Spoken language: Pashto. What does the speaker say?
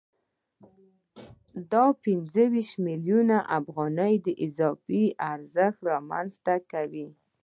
دا پنځه ویشت میلیونه افغانۍ اضافي ارزښت رامنځته کوي